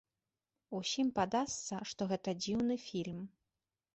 Усім падасца, што гэта дзіўны фільм.